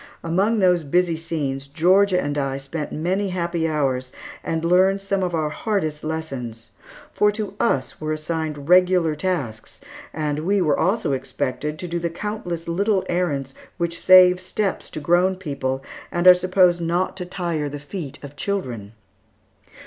Among those busy scenes, Georgia and I spent many happy hours, and learned some of our hardest lessons; for to us were assigned regular tasks, and we were also expected to do the countless little errands which save steps to grown people, and are supposed not to tire the feet of children.